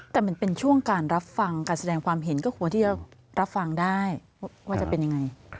แต่มันเป็นช่วงการรับฟังการแสดงความเห็นก็ควรที่จะรับฟังได้ว่าจะเป็นยังไง